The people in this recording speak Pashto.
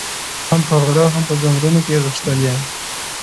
• هم په غره هم په ځنګلونو کي غښتلی ,